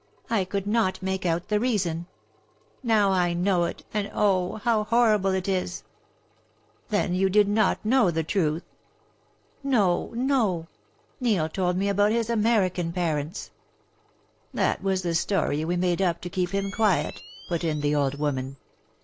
I could not make out the reason. Now I know it, and, oh, how horrible it is!" "Then you did not know the truth?" "No, no. Neil told me about his American parents " "That was the story we made up to keep him quiet," put in the old woman.